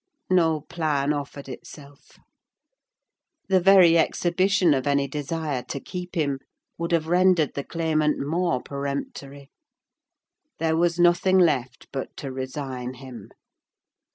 No plan offered itself: the very exhibition of any desire to keep him would have rendered the claimant more peremptory: there was nothing left but to resign him.